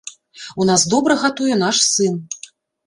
У нас добра гатуе наш сын.